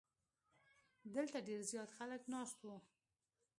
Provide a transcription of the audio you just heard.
دلته ډیر زیات خلک ناست وو.